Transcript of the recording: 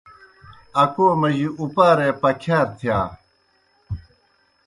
اکو مجیْ اُپارے پکِھیار تِھیا۔